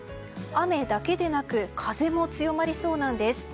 雨だけでなく風も強まりそうなんです。